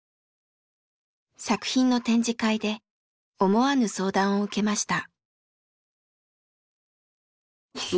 作品の展示会で思わぬ相談を受けました。